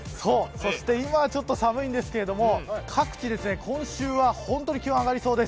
そして今ちょっと寒いんですけど各地で今週は本当に気温が上がりそうです。